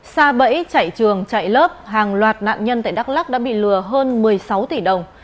xa bẫy chạy trường chạy lớp hàng loạt nạn nhân tại đắk lắc đã bị lừa hơn một mươi sáu tỷ đồng